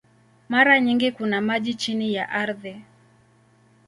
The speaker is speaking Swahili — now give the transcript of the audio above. Mara nyingi kuna maji chini ya ardhi.